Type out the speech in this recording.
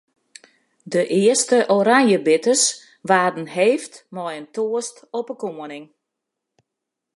De earste oranjebitters waarden heefd mei in toast op 'e koaning.